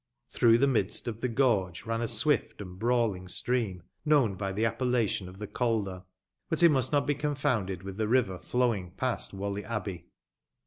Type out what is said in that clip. Through the midst of the gorge ran a swift and brawling stream, known by the appellation of the Calder; but it must not be confounded with the river flowing past Whalley Abbey.